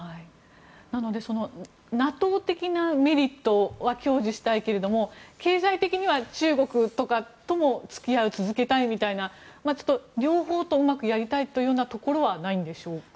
なのでＮＡＴＯ的なメリットは享受したいけども経済的には中国とかとも付き合いを続けたいみたいなちょっと両方とうまくやりたいというところはないんですか？